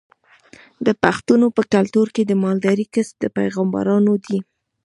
د پښتنو په کلتور کې د مالدارۍ کسب د پیغمبرانو دی.